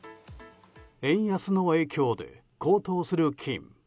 円安の影響で高騰する金。